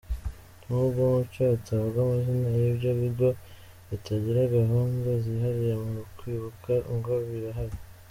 Nubwo Mucyo atavuga amazina y’ibyo bigo bitagira gahunda zihariye mu kwibuka, ngo birahari.